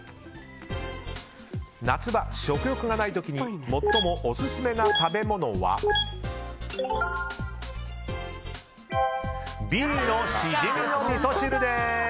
夏場、食欲がない時に最もオススメな食べ物はＢのシジミのみそ汁です。